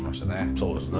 そうですね。